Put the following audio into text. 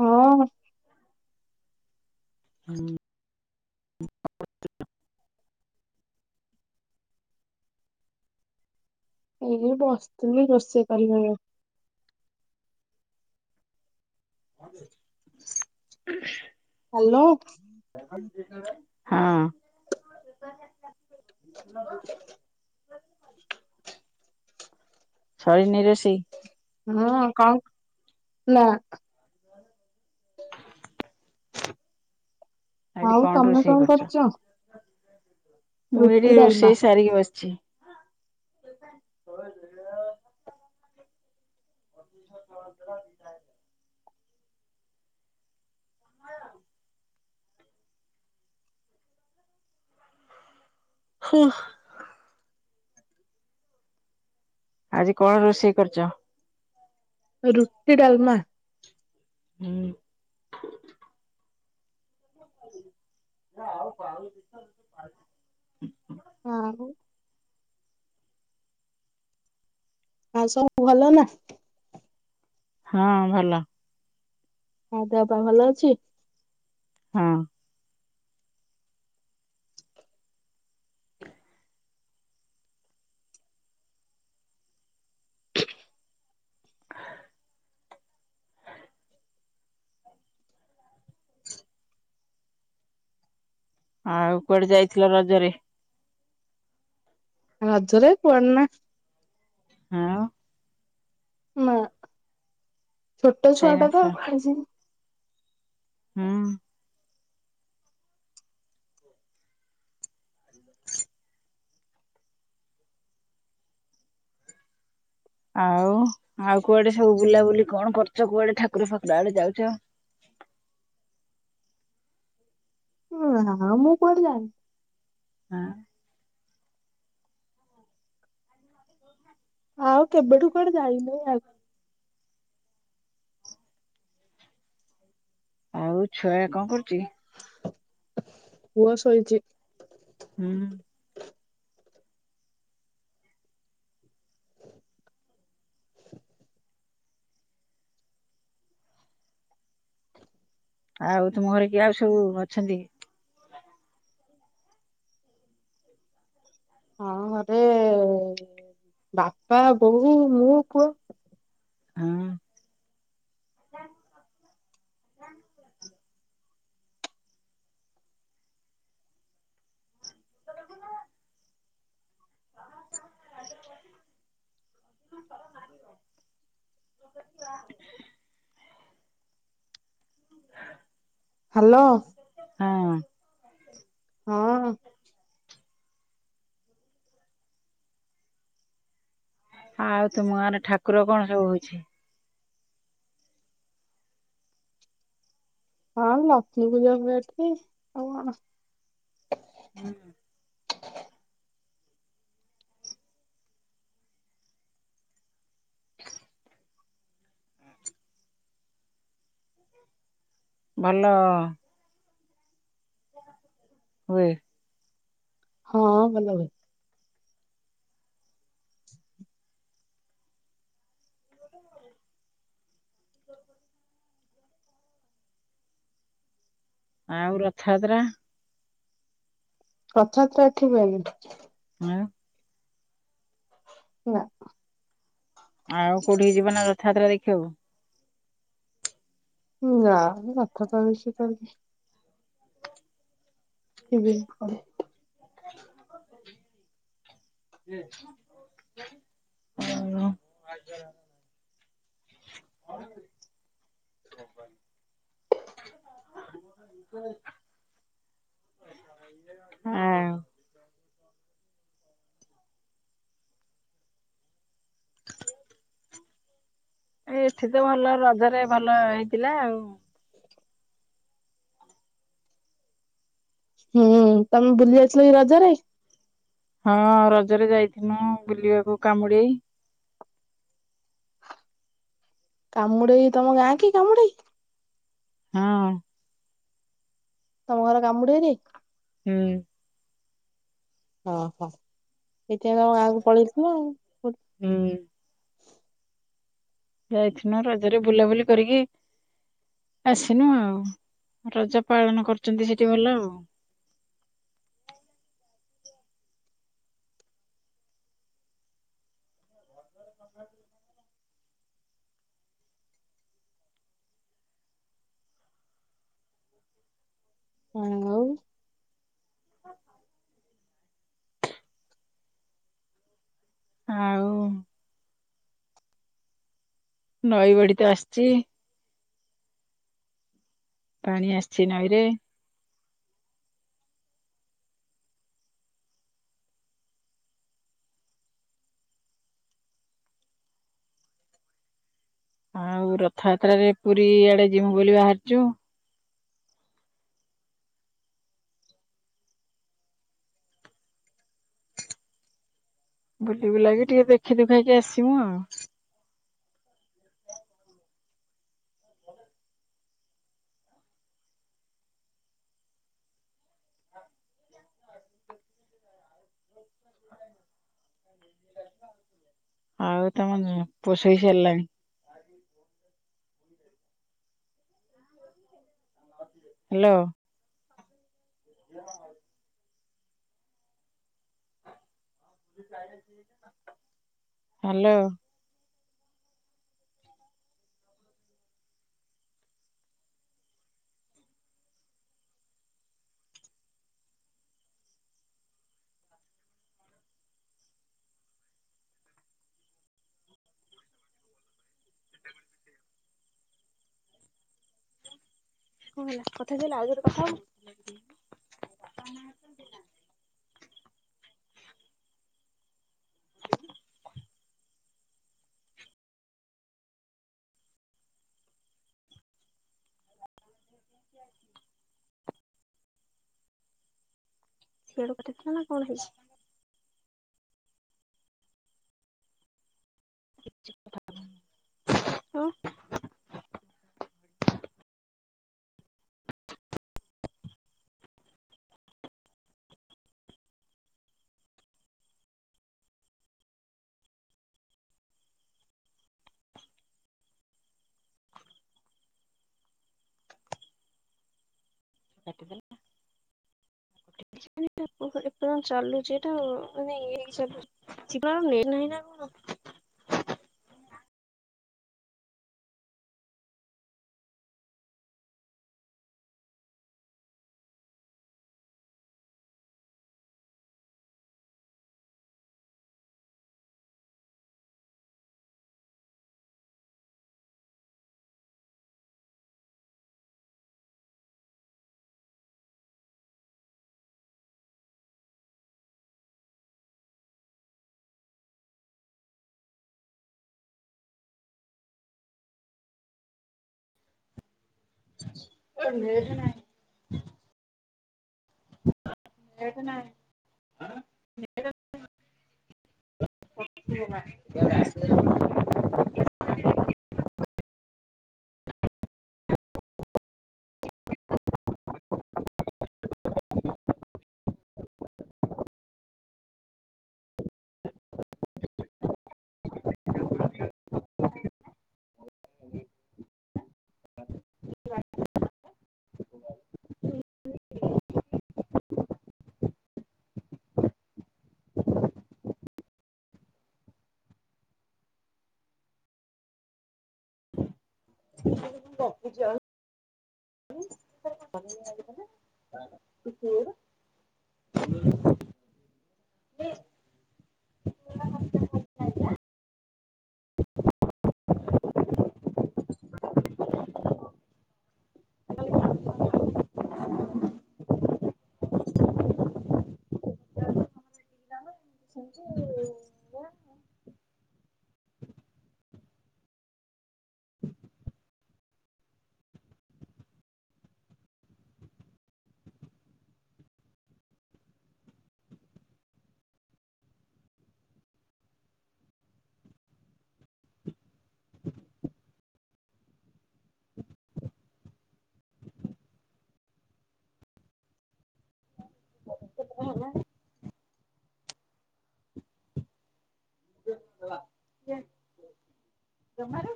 ହଁ। ହୁଁ। ଏଇ ବସିଥିଲି ରୋଷେଇ କରିବ [unintelligible] [unintelligible] ହ୍ୟାଲୋ। ହଁ। [unintelligible] ସରିନି ରୋଷେଇ? ହଁ କଁ ନା। ଆଜି ଆଉ କଣ ତମେ ରୋଷେଇ କରଚ? କରୁଛ? ମୁଁ ଏଇଠି ରୁଟି ଡାଲମା ରୋଷେଇ ସାରିକି ବସିଛି। [unintelligible] ହୁଁ ଆଜି କଣ ରୋଷେଇ କରଚ? ରୁଟି ଡାଲମା। ହୁଁ। ନା ଆଉ କ [inaudible] [unintelligible] ଆଉ ସବୁ ଭଲ ନା? ହଁ ଭଲ। ହଁ ଦେହ ପା ଭଲ ଅଛି? ହଁ। ଆଉ କୁଆଡେ ଯାଇଥିଲ ରଜରେ? ରଜରେ କୁଆଡେ ନା। ହଁ। ନା। ଛୋଟ ଛୁଆ ଟା ତ ଯାଇନଥିଲ ଆଉ କୁଆଡ଼େ ଯିବି? ହୁଁ। ଆଉ ଆଉ କୁଆଡେ ସବୁ ବୁଲାବୁଲି କଣ କରୁଛ କୁଆଡେ ଠାକୁର ଫାକୁର ଆଡେ ଯାଉଛ? [unintelligible] ମୁଁ କୁଆଡ଼େ ଯାଏ ଆଁ ହ [unintelligible] ଆଉ କେବେଠୁ କୁ ଆଡେ ଜାାଇନୁ ଆ। ଆଉ ଛୁଆ କଣ କରୁଛି? ପୁଅ ଶୋଇଛି। ହୁଁ। ଆଉ ତୁମ ଘରେ କିଏ ଆଉ ସବୁ ଅଛନ୍ତି? ହଁ ଘରେ ବାପା ବୋଉ ମୁଁ ପୁହ। ହୁଁ। ହ୍ୟାଲୋ। ଅଁ। ହଁ। ଆଉ ତୁମ ଗାଁ ରେ ଠାକୁର କଣ ସବୁ ହଉଛି? ହଁ ଲକ୍ଷ୍ମୀ ପୂଜା ଫୁଜା ଏଠି ଆଉ କଣ। ହୁଁ। ଭଲ। ହୁଏ। ହଁ ଭଲ ହୁଏ। ଆଉ ରଥଯାତ୍ରା? ରଥଯାତ୍ରା ଏଠି ହୁଏନି। ଆଉ ନା ଆଉ କୋଉଠିକି ଯିବ ନା ରଥଯାତ୍ରା ଦେଖିବାକୁ? ଉଁ ନା ମଥ ପ୍ରବେଶିତ ନୁହେଁ ଟିଭିିନ କହେ। ହୁଁ [unintelligible] ଆଉ ନୂହ। ଆଉ ଏ ଏଠି ତ ଭଲ ରଜରେ ଭଲ ହେଇଥିଲା ଆଉ। ହୁଁ ତମେ ବୁଲି ଯାଇଥିଲ ଏଇ ରଜ ରେ? ହଁ ରଜରେ ଯାଇଥିନୁ ବୁଲିବାକୁ କାମୁଡେଇ। କାମୁଡେଇ ତମ ଗାଁ କି କାମୁଡେଇ? ହଁ ତମ ଘର କାମୁଡ଼େଇକି? ହୁଁ। ଓହୋ ଏଥି ତମ ଗାଁକୁ ପଳେଇଥିବ ଆଉ। ଉୁଁ। ଯାଇଥିନୁ ରଜରେ ବୁଲାବୁଲି କରିକି ଆସିନୁ ଆଉ ରଜ ପାଳନ କରୁଚନ୍ତି ସେଠି ଭଲ ଆଉ। ହଁ ଆଉ ହଁ ହଁ। ଆଉ ନଈ ବଡି ତ ଆସିଛି। ପାଣି ଆସିଛି ନଈରେ। ଆଉ ରଥଯାତ୍ରାରେ ପୁରୀ ଆଡେ ଯିମୁ ବୋଲି ବାହାରିଛୁ। ବୁଲି ବୁଲାକି ଟିକେ ଦେଖି ଦୁଖାକି ଆସିବୁ ଆଉ। ଆଉ ତମ ପୁଅ ଶୋଇ ସାରିଲାଣି? ବ [inaudible] ରେ [inaudible] ହ୍ୟାଲୋ ହ ହ [inaudible] ହ୍ୟାଲୋ କଣ ହେଲା କଥା ହେଲା ଆଉଥରେ କଥା ହେବୁ। [inaudible] କଥିଲା ନା କଣ ହେଇଛି ହଁ କାଟିଦେଲେ ଠିକ [inaudible] ଏପର୍ଯ୍ୟନ୍ତ [inaudible] ଚାଲୁଛି ଏଟା ମାନେ ଇ ହେ ଯିବା ଆ ନାହିଁ ନା କଣ ହ [unintelligible] [inaudible] ନେଟ୍ ନାହିଁ ଆଁ ନେଟ ବ ଆସ [unintelligible] ମୁଁ ରଖୁଛି ଆଉ। [unintelligible] ହଁ [unintelligible] ଜମାରୁ